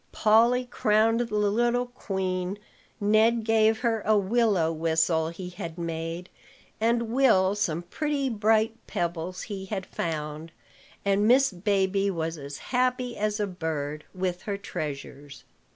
Polly crowned the little queen, Ned gave her a willow whistle he had made, and Will some pretty, bright pebbles he had found; and Miss Baby was as happy as a bird, with her treasures.